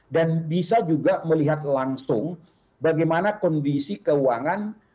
dan bisa juga melihat langsung bagaimana kondisi keuangan